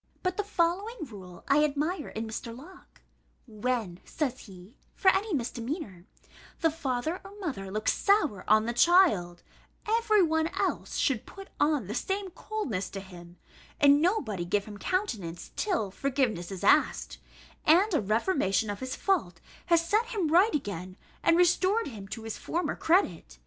But the following rule I admire in Mr. Locke: "When," says he (for any misdemeanour), "the father or mother looks sour on the child, every one else should put on the same coldness to him, and nobody give him countenance till forgiveness is asked, and a reformation of his fault has set him right again, and restored him to his former credit.